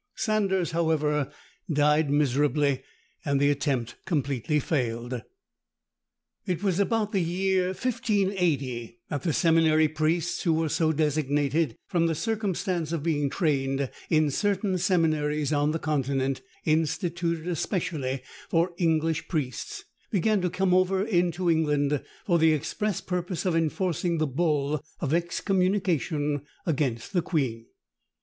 Sanders, however, died miserably, and the attempt completely failed. It was about the year 1580 that the seminary priests, who were so designated from the circumstance of being trained in certain seminaries on the Continent, instituted especially for English priests, began to come over into England for the express purpose of enforcing the bull of excommunication against the queen.